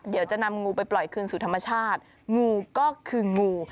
เดี๋ยวจะนำงูไปปล่อยคืนสู่ธรรมชาติงูก็คืองู